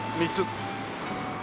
３つ。